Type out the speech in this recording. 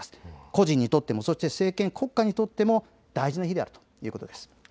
個人にとっても、そして国家にとっても大事な日であるということです。